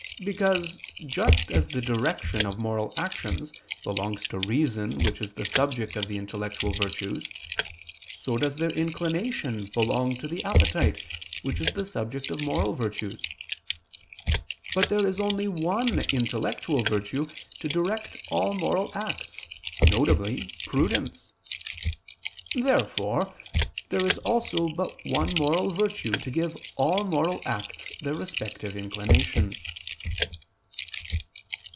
Because just as the direction of moral actions belongs to reason which is the subject of the intellectual virtues; so does their inclination belong to the appetite which is the subject of moral virtues. But there is only one intellectual virtue to direct all moral acts, viz. prudence. Therefore there is also but one moral virtue to give all moral acts their respective inclinations.